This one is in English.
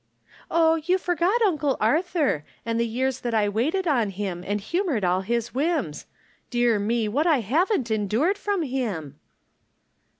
" Oh, you forget Uncle Arthur, and the years that I waited on him, and humored all his whims ! Dear me ! What haven't I endured from him